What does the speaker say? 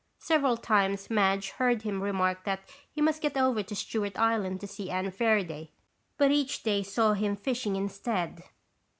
Several times Madge heard him remark that he must get over to Stewart Island to see Anne Fairaday, but each day saw him fishing instead.